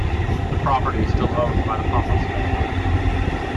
The property is still owned by the Papas family.